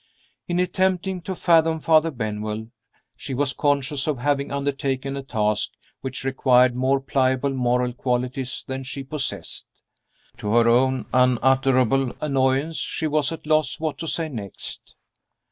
In attempting to fathom Father Benwell, she was conscious of having undertaken a task which required more pliable moral qualities than she possessed. To her own unutterable annoyance, she was at a loss what to say next.